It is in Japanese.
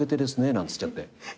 なんつっちゃって。